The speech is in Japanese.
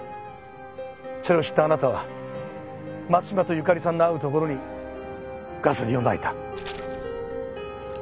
それを知ったあなたは松島と由香利さんの会うところにガソリンをまいた。